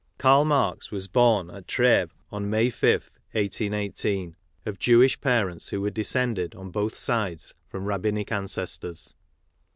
Karl MaTX was born at Treves on May 5th, 1818, of Jewish parents who were descended on both sides from rabbinic ancestors.